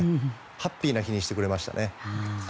ハッピーな日にしてくれましたね。